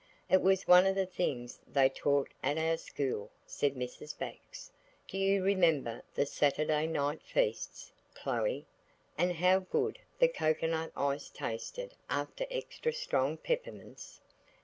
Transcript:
"It was one of the things they taught at our school," said Mrs. Bax. "Do you remember the Saturday night feasts, Chloe, and how good the cocoanut ice tasted after extra strong peppermints?"